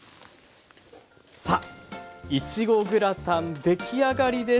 さあいちごグラタン出来上がりです。